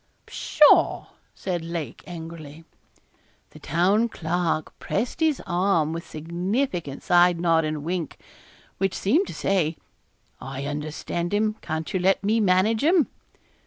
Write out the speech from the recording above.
'Pshaw!' said Lake, angrily. The Town Clerk pressed his arm with a significant side nod and a wink, which seemed to say, 'I understand him; can't you let me manage him?'